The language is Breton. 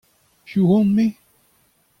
Piv on-me ?